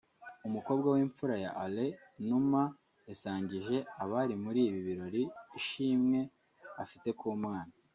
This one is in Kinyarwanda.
umukobwa w’imfura ya Alain Numa yasangije abari muri ibi birori ishimwe afite ku Mana